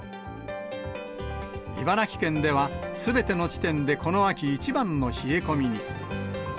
茨城県ではすべての地点で、この秋一番の冷え込みに。